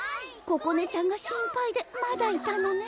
ここねちゃんが心配でまだいたのね